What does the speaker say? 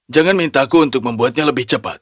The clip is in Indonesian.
jangan minta aku untuk membuatnya lebih cepat